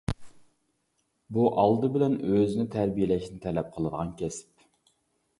بۇ ئالدى بىلەن ئۆزىنى تەربىيەلەشنى تەلەپ قىلىدىغان كەسىپ.